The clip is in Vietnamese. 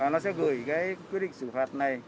nó sẽ gửi quyết định xử phạt này